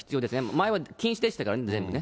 前は禁止でしたからね、全部ね。